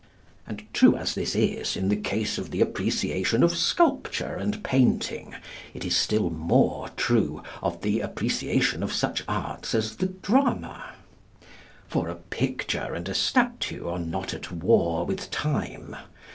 And true as this is in the case of the appreciation of sculpture and painting, it is still more true of the appreciation of such arts as the drama. For a picture and a statue are not at war with Time.